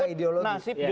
prinsip diotaan orang